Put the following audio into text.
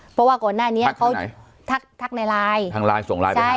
เพราะว่าก่อนหน้านี้ทักทำไหนทักในไลน์ทางไลน์ส่งไลน์ไปไหน